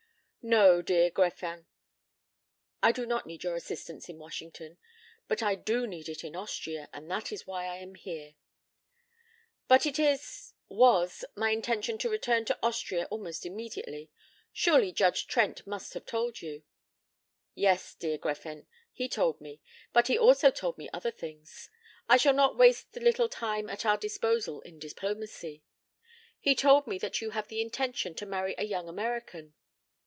"No, dear Gräfin. I do not need your assistance in Washington. But I do need it in Austria, and that is why I am here." "But it is was my intention to return to Austria almost immediately. Surely Judge Trent must have told you." "Yes, dear Gräfin, he told me, but he also told me other things. I shall not waste the little time at our disposal in diplomacy. He told me that you have the intention to marry a young American."